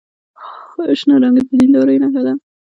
شنه رنګ د دیندارۍ نښه ده.